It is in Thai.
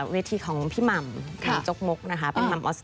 เวทีของพี่ม่ำ